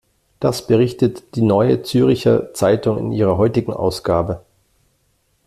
Das berichtet die Neue Zürcher Zeitung in ihrer heutigen Ausgabe.